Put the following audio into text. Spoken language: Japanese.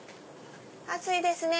暑いですね。